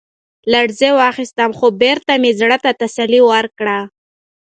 لـړزې واخيسـتم ، خـو بـېرته مـې زړه تـه تـسلا ورکړه.